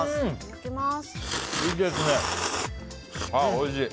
おいしい！